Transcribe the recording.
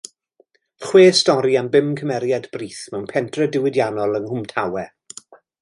Chwe stori am bum cymeriad brith mewn pentre diwydiannol yng Nghwm Tawe.